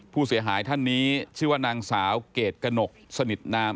ผู้เสียหายท่านนี้ชื่อว่านางสาวเกรดกระหนกสนิทนาม